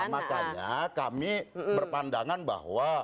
makanya kami berpandangan bahwa